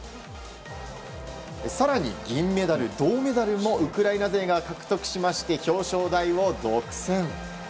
更に、銀メダル、銅メダルもウクライナ勢が獲得しまして表彰台を独占。